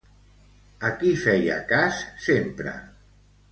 A qui feia cas sempre?